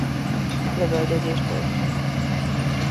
Lövöldözés tör ki.